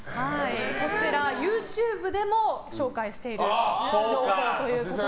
こちらＹｏｕＴｕｂｅでも紹介している情報ということで。